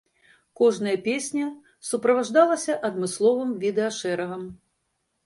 Кожная песня суправаджалася адмысловым відэашэрагам.